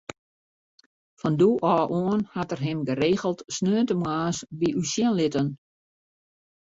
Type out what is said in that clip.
Fan doe ôf oan hat er him geregeld sneontemoarns by ús sjen litten.